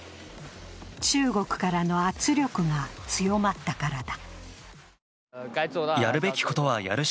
中国からの圧力が強まったからだ。